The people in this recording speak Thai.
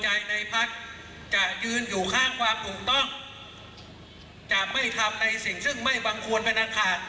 จะไม่ทำในสิ่งซึ่งไม่วางควรไปนั้นค่ะ